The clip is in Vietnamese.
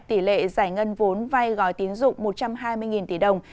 tỷ lệ giải ngân vốn vai gói tín dụng một trăm hai mươi tỷ đồng